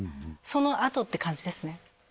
そのあとって感じですね